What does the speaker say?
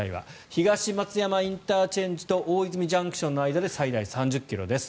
東松山ＩＣと大泉ＪＣＴの間で最大３０ｋｍです。